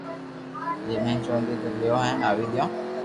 ھيم ھين چوندي بي ليون آوي گيو